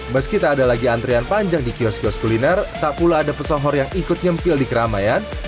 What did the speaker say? meski tak ada lagi antrian panjang di kios kios kuliner tak pula ada pesohor yang ikut nyempil di keramaian